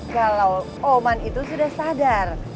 kalau oman itu sudah sadar